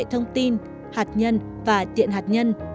hạt nhân và tiện hạt nhân